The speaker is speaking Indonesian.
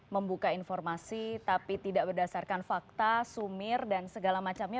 membuka informasi tapi tidak berdasarkan fakta sumir dan segala macamnya